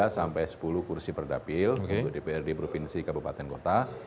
tiga sampai sepuluh kursi perdapil untuk dpr di provinsi kabupaten kota